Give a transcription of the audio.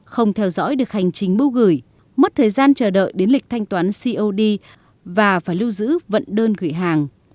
không theo dõi được hành chính bưu gửi mất thời gian chờ đợi đến lịch thanh toán cod và phải lưu giữ vận đơn gửi hàng